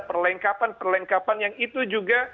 perlengkapan perlengkapan yang itu juga